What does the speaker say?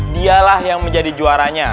dialah yang menjadi juaranya